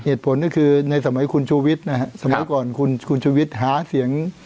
เหตุผลก็คือในสมัยคุณชูวิทย์นะฮะสมัยก่อนคุณชูวิทย์หาเสียง